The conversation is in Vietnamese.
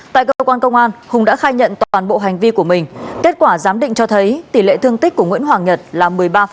tại cơ quan công an hùng đã khai nhận toàn bộ hành vi của mình kết quả giám định cho thấy tỷ lệ thương tích của nguyễn hoàng nhật là một mươi ba